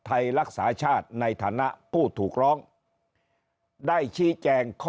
พศชไทยรักษาชาติในฐานะผู้ถูกร้องได้ชี้แจงข้อเท็จจริง